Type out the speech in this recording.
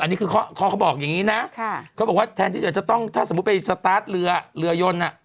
อันนี้คือข้อเขาบอกอย่างนี้นะเขาบอกว่าแทนที่เดี๋ยวจะต้องถ้าสมมุติไปสตาร์ทเรือเรือยน